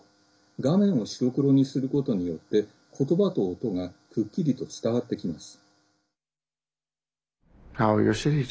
画面を白黒にすることによってことばと音がくっきりと伝わってきます。